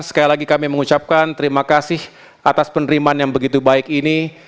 sekali lagi kami mengucapkan terima kasih atas penerimaan yang begitu baik ini